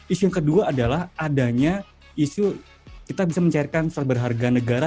isu yang kedua adalah adanya isu kita bisa mencairkan surat berharga negara